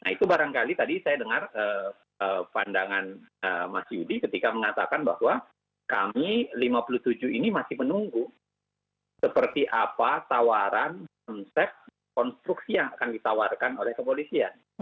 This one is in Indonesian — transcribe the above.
itu barangkali tadi saya dengar pandangan mas yudi ketika mengatakan bahwa kami lima puluh tujuh ini masih menunggu seperti apa tawaran konsep konstruksi yang akan ditawarkan oleh kepolisian